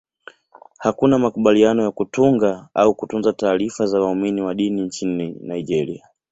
Hakuna makubaliano ya kutunga au kutunza taarifa za waumini wa dini nchini Nigeria.